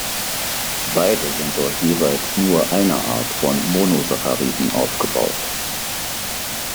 Beide sind aus jeweils nur einer Art von Monosacchariden aufgebaut.